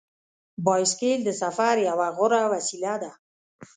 بایسکل د سفر یوه غوره وسیله ده.